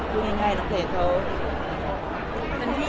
กูง่ายน้องเพลงเค้า